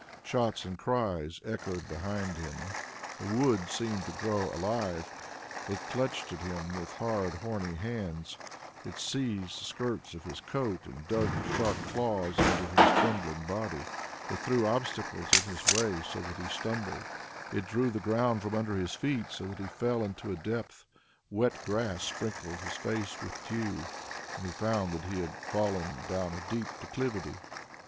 Shots and cries echoed behind him. The wood seemed to grow alive; it clutched at him with hard horny hands, it seized the skirts of his coat and dug sharp claws into his trembling body, it threw obstacles in his way so that he stumbled, it drew the ground from under his feet so that he fell into a depth; wet grass sprinkled his face with dew, and he found that he had fallen down a steep declivity.